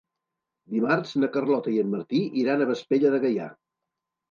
Dimarts na Carlota i en Martí iran a Vespella de Gaià.